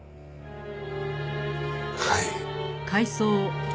はい。